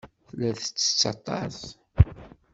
Tella tettett aṭas.